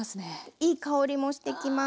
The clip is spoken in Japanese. いい香りもしてきます。